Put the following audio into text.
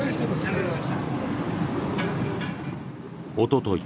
おととい